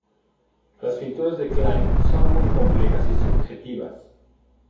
Las pinturas de Kline son muy complejas y subjetivas.